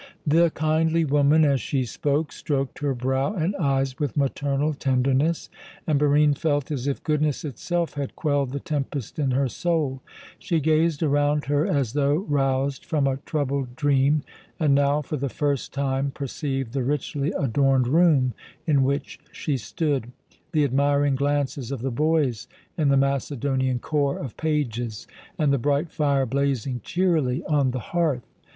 The kindly woman, as she spoke, stroked her brow and eyes with maternal tenderness, and Barine felt as if goodness itself had quelled the tempest in her soul. She gazed around her as though roused from a troubled dream, and now for the first time perceived the richly adorned room in which she stood, the admiring glances of the boys in the Macedonian corps of pages, and the bright fire blazing cheerily on the hearth.